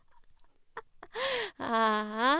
ああ。